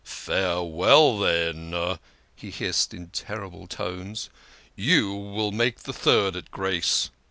" Farewell, then !" he hissed in terrible tones. " You will make the third at Grace!